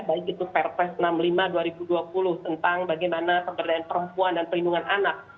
baik itu perpres enam puluh lima dua ribu dua puluh tentang bagaimana pemberdayaan perempuan dan perlindungan anak